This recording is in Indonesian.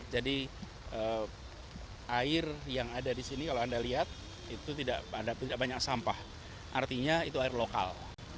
jadi air yang ada disini kalau anda lihat itu tidak banyak sampah artinya itu air lokal